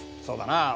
そうだな。